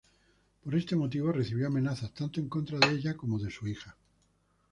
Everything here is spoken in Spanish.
Por este motivo recibió amenazas, tanto en contra de ella como de su hija.